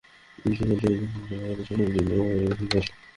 একটু বাড়তি আয়ের জন্য ঠেলা গাড়িতে সেই সবজি নিয়ে বাজারে বিক্রি করতেন।